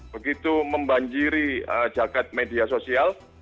begitu membanjiri jagad media sosial